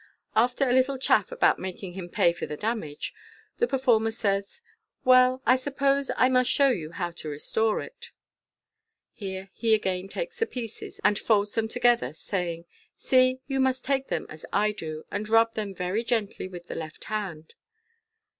After a little chaff about making him pay for the damage, the performer says, " Well, I suppose I must show you ho\» to restore it." Here he again takes the pieces, and folds them to gether, saying, " See, you must take them as 1 do, and rub them very gently with the left hand."